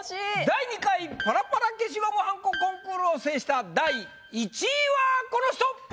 第２回パラパラ消しゴムはんこコンクールを制した第１位はこの人！